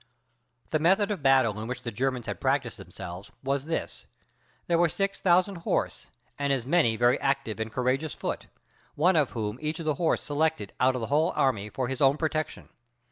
The method of battle in which the Germans had practiced themselves was this: There were six thousand horse, and as many very active and courageous foot, one of whom each of the horse selected out of the whole army for his own protection.